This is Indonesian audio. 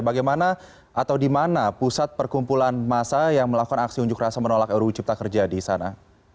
bagaimana atau di mana pusat perkumpulan masa yang melakukan aksi unjuk rasa menolak ruu cipta kerja di sana